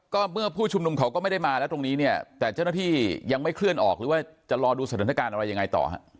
ก็เมื่อผู้ชุมนุมเขาก็ไม่ได้มาแล้วตรงนี้เนี่ยแต่เจ้าหน้าที่ยังไม่เคลื่อนออกหรือว่าจะรอดูสถานการณ์อะไรยังไงต่อฮะ